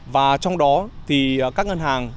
và trong đó các ngân hàng